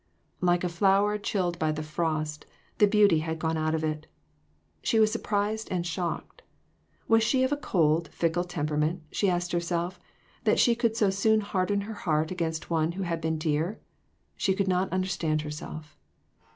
Like a flower chilled by the frost, the beauty had gone out of it. She was surprised and shocked. Was she of a cold, fickle temperament, she asked herself, that she could so soon harden her heart against one who had been dear? She could not understand herself.